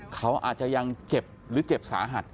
เขาอาจจะยังเจ็บหรือเจ็บสาหัส